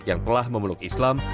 yang telah memeluk islam